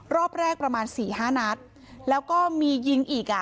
รอบแรกประมาณสี่ห้านัดแล้วก็มียิงอีกอ่ะ